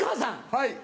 はい。